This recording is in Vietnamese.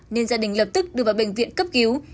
nên gia đình lập tức đưa vào bệnh viện cấp cứu